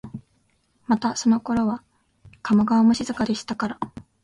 またそのころは加茂川も静かでしたから、